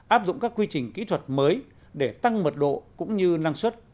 áp dụng các quy trình kỹ thuật mới để tăng mật độ cũng như năng suất